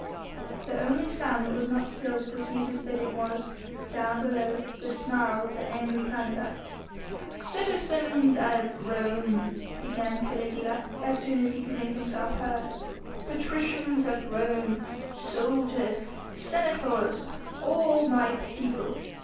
The only sound that was not stilled at the Cæsar's bidding was down below the snarl of the angry panther. "Citizens of Rome," began Caligula, as soon as he could make himself heard, "patricians of Rome! soldiers! senators! all my people!